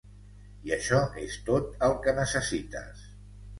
I això és tot el que necessites.